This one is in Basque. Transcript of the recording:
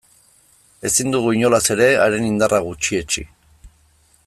Ezin dugu, inolaz ere, haren indarra gutxietsi.